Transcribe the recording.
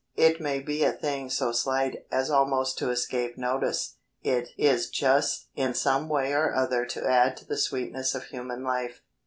It may be a thing so slight as almost to escape notice. It is just in some way or other to add to the sweetness of human life.